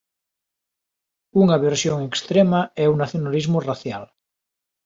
Unha versión extrema é o nacionalismo racial.